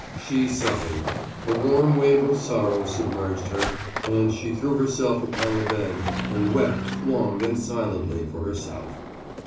She suffered: a warm wave of sorrow submerged her, and she threw herself upon the bed and wept long and silently for herself.